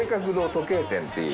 時計店っていう。